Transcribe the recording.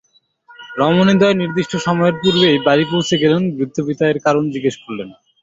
রমণীদ্বয় নির্দিষ্ট সময়ের পূর্বেই বাড়ি পৌছে গেলে বৃদ্ধ পিতা এর কারণ জিজ্ঞেস করলেন।